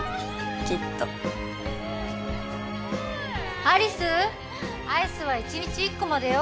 きっとすごい有栖アイスは１日１個までよ